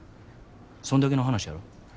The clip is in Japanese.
そんだけの話やろ。